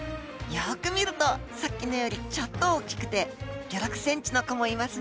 よく見るとさっきのよりちょっと大きくて５６ｃｍの子もいますね。